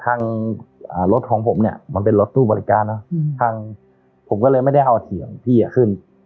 ทางรถของผมเนี่ยมันเป็นรถตู้บริการเนอะทางผมก็เลยไม่ได้เอาเถียงพี่ขึ้น